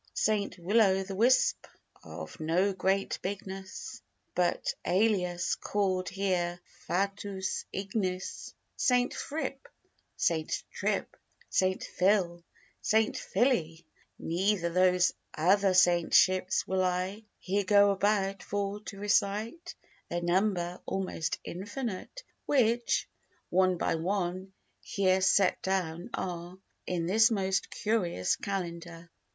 Saint Will o' th' Wisp, of no great bigness, But, alias, call'd here FATUUS IGNIS. Saint Frip, Saint Trip, Saint Fill, Saint Filly; Neither those other saint ships will I Here go about for to recite Their number, almost infinite; Which, one by one, here set down are In this most curious calendar.